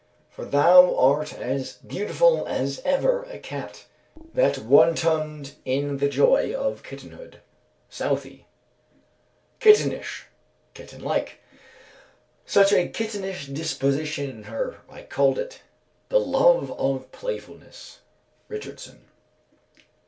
"For thou art as beautiful as ever a cat That wantoned in the joy of kittenhood." SOUTHEY. Kittenish, kitten like. "Such a kittenish disposition in her, I called it; ...the love of playfulness." RICHARDSON.